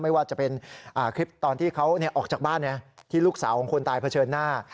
ไม่ว่าจะเป็นคลิปตอนที่เขาออกจากบ้านที่ลูกสาวของคนตายเผชิญหน้า